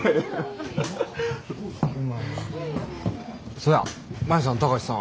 そや舞さん貴司さん